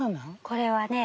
これはね